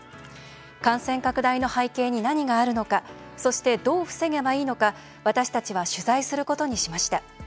感染拡大の背景に何があるのかそして、どう防げばいいのか私たちは取材することにしました。